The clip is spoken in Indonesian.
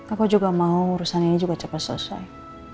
aku juga mau urusan ini juga cepat selesai